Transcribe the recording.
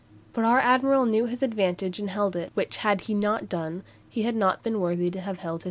But our admiral knew his advantage and held it; which had he not done, he had not been worthy to have held his head."